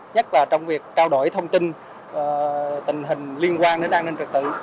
nhất là trong việc trao đổi thông tin tình hình liên quan đến an ninh trật tự